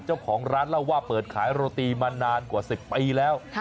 เจ้าของร้านเล่าว่าเปิดขายโรตีมานานกว่า๑๐ปีแล้ว